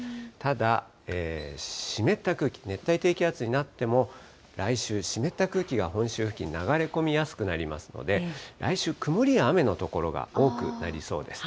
ただ、湿った空気、熱帯低気圧になっても来週、湿った空気が本州付近、流れ込みやすくなりますので、来週、曇りや雨の所が多くなりそうです。